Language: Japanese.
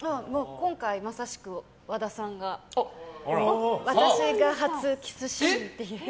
今回、まさしく和田さんが私が初キスシーンっていう。